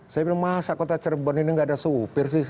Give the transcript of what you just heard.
saya bilang masa kota cirebon ini nggak ada supir sih